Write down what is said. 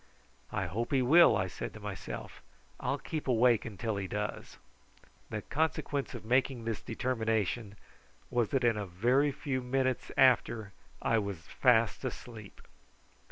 "I hope he will," I said to myself. "I'll keep awake till he does." The consequence of making this determination was that in a very few minutes after I was fast asleep.